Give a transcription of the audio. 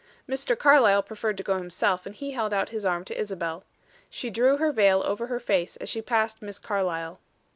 Mr. Carlyle preferred to go himself, and he held out his arm to Isabel. She drew her veil over her face as she passed Miss Carlyle.